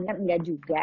kan enggak juga